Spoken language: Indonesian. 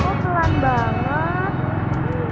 ih kok pelan banget